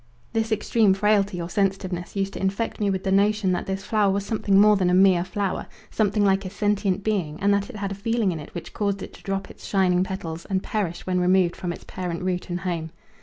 This extreme frailty or sensitiveness used to infect me with the notion that this flower was something more than a mere flower, something like a sentient being, and that it had a feeling in it which caused it to drop its shining petals and perish when removed from its parent root and home.